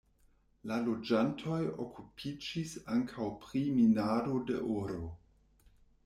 La loĝantoj okupiĝis ankaŭ pri minado de oro.